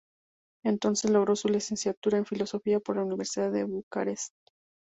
Entonces logró su licenciatura en filosofía por la Universidad de Bucarest.